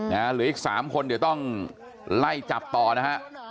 เหลืออีก๓คนเดี๋ยวต้องไล่จับต่อนะฮะ